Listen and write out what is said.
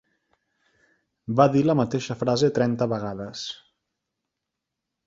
Va dir la mateixa frase trenta vegades.